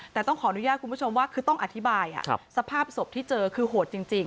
แต่ต้องขออนุญาตคุณผู้ชมว่าคือต้องอธิบายสภาพศพที่เจอคือโหดจริง